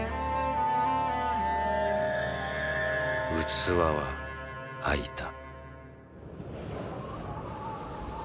器は空いた。